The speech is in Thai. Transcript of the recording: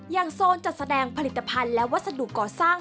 โซนจัดแสดงผลิตภัณฑ์และวัสดุก่อสร้าง